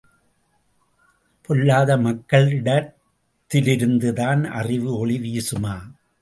பொல்லாத மக்களிடத்திலிருந்துதான் அறிவு ஒளி வீசுமா?